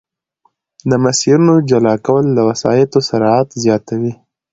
د مسیرونو جلا کول د وسایطو سرعت زیاتوي